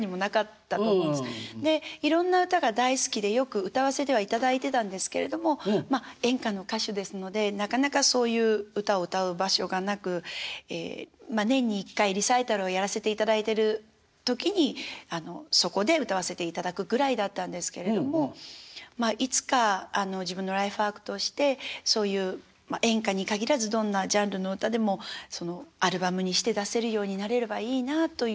でいろんな歌が大好きでよく歌わせてはいただいてたんですけれどもまあ演歌の歌手ですのでなかなかそういう歌を歌う場所がなく年に１回リサイタルをやらせていただいてる時にそこで歌わせていただくぐらいだったんですけれどもまあいつか自分のライフワークとしてそういう演歌に限らずどんなジャンルの歌でもアルバムにして出せるようになれればいいなあという。